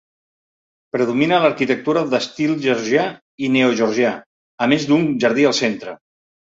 Predomina l'arquitectura d'estil georgià i neogeorgià, a més d'un jardí al centre.